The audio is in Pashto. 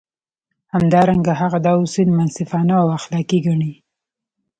همدارنګه هغه دا اصول منصفانه او اخلاقي ګڼي.